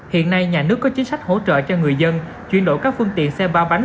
hiện nay nhà nước có chính sách hỗ trợ cho người dân chuyển đổi các phương tiện xe ba bánh